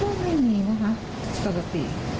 เรื่องไม่มีนะคะปกติ